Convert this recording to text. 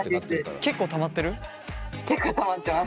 結構たまってます。